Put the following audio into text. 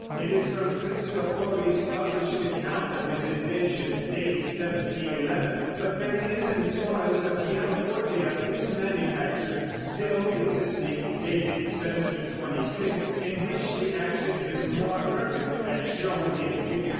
It is from Cristofori's published account of his invention, dated 1711; but there is in Florence a pianoforte of his manufacture still existing, dated 1726, in which the action is more perfect, as shown in Fig.